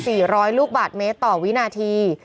เออ๑๑๐๐๑๔๐๐ลูกบาทเมตต่อวินาที